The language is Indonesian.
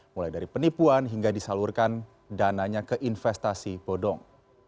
mulai dari penipuan hingga disalurkan dananya ke investasi bodong